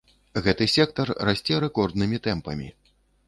Гэты сектар расце рэкорднымі тэмпамі.